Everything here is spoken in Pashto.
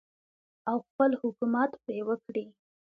او خپل حکومت پرې وکړي.